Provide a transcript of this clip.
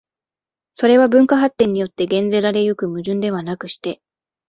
それは文化発展によって減ぜられ行く矛盾ではなくして、